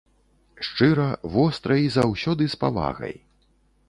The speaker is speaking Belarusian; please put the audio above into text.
Шчыра, востра і заўсёды з павагай.